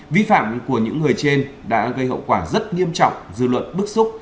vi phạm của những người trên đã gây hậu quả rất nghiêm trọng dư luận bức xúc